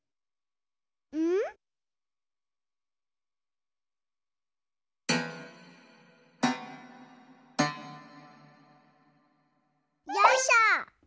うん？よいしょ！